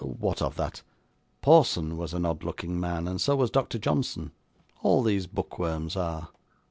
'What of that? Porson was an odd looking man, and so was Doctor Johnson; all these bookworms are.